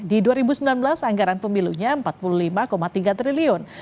di dua ribu sembilan belas anggaran pemilunya rp empat puluh lima tiga triliun